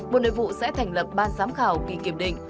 bộ nội vụ sẽ thành lập ban giám khảo kỳ kiểm định